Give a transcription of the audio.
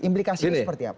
implikasi seperti apa